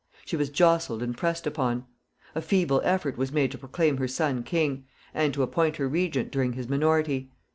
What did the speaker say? She was jostled and pressed upon. A feeble effort was made to proclaim her son king, and to appoint her regent during his minority.